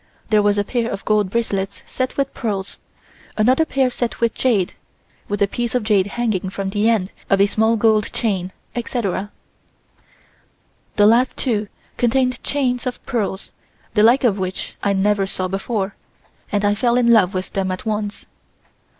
There was a pair of gold bracelets set with pearls, another pair set with jade, with a piece of jade hanging from the end of a small gold chain, etc. The last two contained chains of pearls, the like of which I never saw before, and I fell in love with them at once.